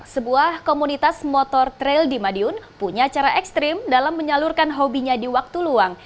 sebuah komunitas motor trail di madiun punya cara ekstrim dalam menyalurkan hobinya di waktu luang